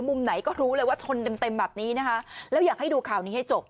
มุมไหนก็รู้เลยว่าชนเต็มเต็มแบบนี้นะคะแล้วอยากให้ดูข่าวนี้ให้จบ